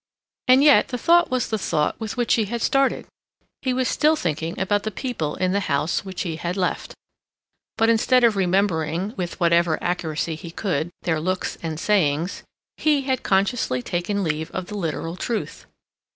And yet the thought was the thought with which he had started. He was still thinking about the people in the house which he had left; but instead of remembering, with whatever accuracy he could, their looks and sayings, he had consciously taken leave of the literal truth.